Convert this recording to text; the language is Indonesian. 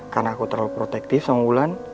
karena aku terlalu protektif sama wulan